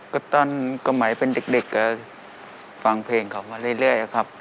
ก็ตอนสมัยเป็นเด็กก็ฟังเพลงเขามาเรื่อยครับ